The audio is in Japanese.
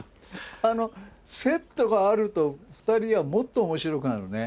セットがあると２人はもっと面白くなるね。